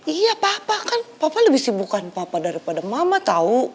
iya papa kan papa lebih sibukan papa daripada mama tahu